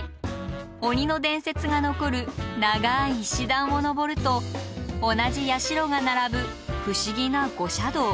鬼の伝説が残る長い石段を登ると同じ社が並ぶ不思議な五社堂。